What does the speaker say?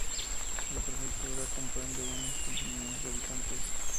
La prefectura comprende unos quince millones de habitantes.